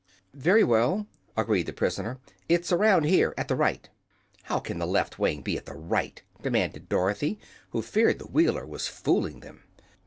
"Very well," agreed the prisoner, "it is around here at the right." "How can the left wing be at the right?" demanded Dorothy, who feared the Wheeler was fooling them.